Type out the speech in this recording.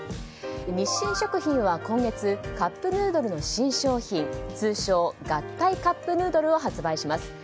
日清食品は今月カップヌードルの新商品通称、合体カップヌードルを発売します。